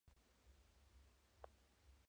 En España, lo distribuye Edge Entertainment.